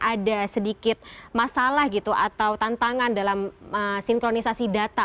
ada sedikit masalah gitu atau tantangan dalam sinkronisasi data